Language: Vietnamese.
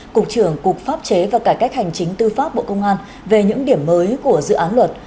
cục trưởng cục pháp chế và cải cách hành chính tư pháp bộ công an về những điểm mới của dự án luật